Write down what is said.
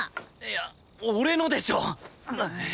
いや俺のでしょ。